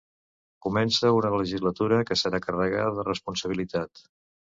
Comença una legislatura que serà carregada de responsabilitat.